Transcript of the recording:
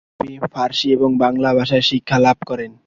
তিনি আরবি, ফার্সি এবং বাংলা ভাষা শিক্ষা লাভ করেন।